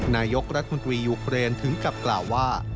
นายกรัฐมนตรียูเครนถึงกับกล่าวว่า